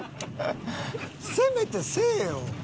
せめてせえよ。